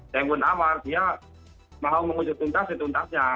tengkun awar dia mau mengusir tuntas itu tuntasnya